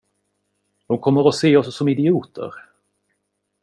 De kommer att se oss som idioter!